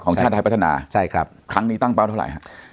ชาติไทยพัฒนาใช่ครับครั้งนี้ตั้งเป้าเท่าไหร่ฮะ